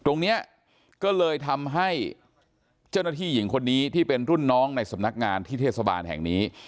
ตรงนี้ก็เลยทำให้เจ้าหน้าที่หญิงคนนี้ที่เป็นรุ่นน้องในสำนักงานที่เทศบาลแห่งนี้